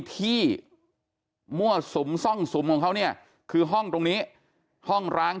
ที่มั่วสุมซ่องสุมของเขาเนี่ยคือห้องตรงนี้ห้องร้าง